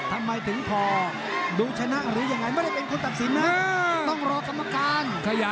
ทำไมถึงพอดูชนะหรือยังไงไม่ได้เป็นคนตัดสินนะต้องรอกรรมการ